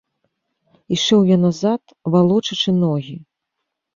Ішоў я назад, валочачы ногі.